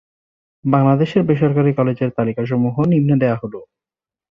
বাংলাদেশের বেসরকারি কলেজের তালিকা সমূহ নিম্নে দেওয়া হলঃ